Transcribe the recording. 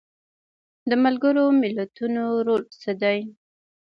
د ملګرو ملتونو رول څه دی؟